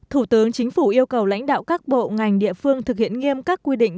thủ tướng chính phủ yêu cầu lãnh đạo các bộ ngành địa phương thực hiện nghiêm các quy định